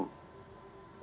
terlepas ya nantinya